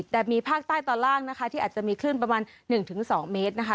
แต่มีภาคใต้ตอนล่างนะคะที่อาจจะมีคลื่นประมาณ๑๒เมตรนะคะ